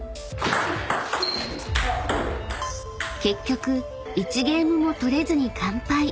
［結局１ゲームも取れずに完敗］